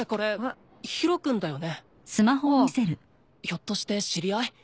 ひょっとして知り合い？